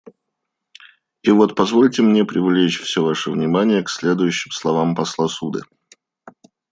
И вот позвольте мне привлечь все ваше внимание к следующим словам посла Суды.